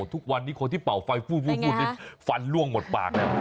ทุกวันนี้คนที่เปล่าไฟฟู้ฟันล่วงหมดปาก